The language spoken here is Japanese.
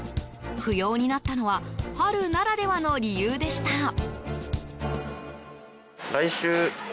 不要になったのは春ならではの理由でした。